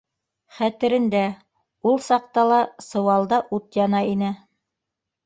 Хәтерендә, ул саҡта ла сыуалда ут ята ине.